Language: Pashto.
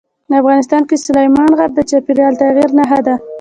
افغانستان کې سلیمان غر د چاپېریال د تغیر نښه ده.